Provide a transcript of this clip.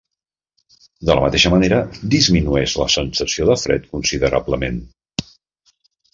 De la mateixa manera, disminueix la sensació de fred considerablement.